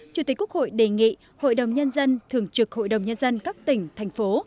chủ tịch quốc hội đề nghị hội đồng nhân dân thường trực hội đồng nhân dân các tỉnh thành phố